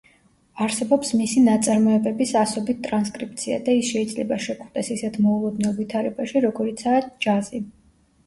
არსებობს მისი ნაწარმოებების ასობით ტრანსკრიპცია და ის შეიძლება შეგვხვდეს ისეთ მოულოდნელ ვითარებაში, როგორიცაა ჯაზი.